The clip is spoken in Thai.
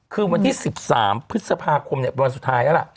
คือวันที่๑๓พฤษภาคมประมาณสุดท้ายนั้นแหละ